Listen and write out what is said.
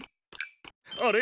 あれ？